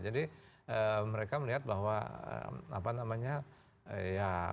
jadi mereka melihat bahwa apa namanya ya